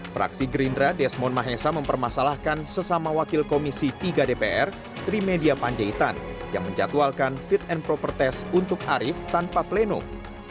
fraksi gerindra desmond mahesa mempermasalahkan sesama wakil komisi tiga dpr trimedia panjaitan yang menjatuhalkan fit and proper test untuk arief tanpa pleno